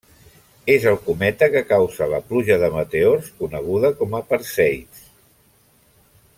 És el cometa que causa la pluja de meteors coneguda com a Perseids.